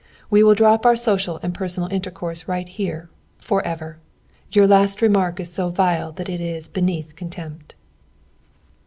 We will drop our social and personal intercourse right here forever. Your last remark is so vile that it is beneath contempt."